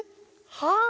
はあ！